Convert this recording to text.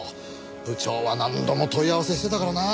部長は何度も問い合わせしてたからな。